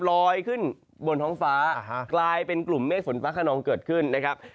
ลอยขึ้นบนท้องฟ้ากลายเป็นกลุ่มเมฆฝนฟ้าขนองเกิดขึ้นนะครับ